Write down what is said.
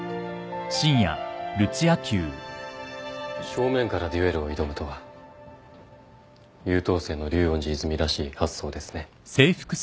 正面から決闘を挑むとは優等生の竜恩寺泉らしい発想ですね。